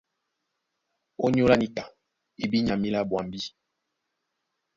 ÓnyÓlá níka e bí nya mǐlá ɓwambí?